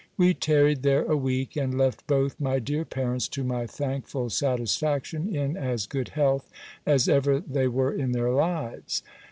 We tarried there a week, and left both my dear parents, to my thankful satisfaction, in as good health as ever they were in their lives.